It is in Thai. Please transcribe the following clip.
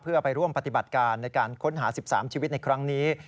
เพื่อไปร่วมปฏิบัติการในการค้นหา๑๓ชีวิตในครั้งนี้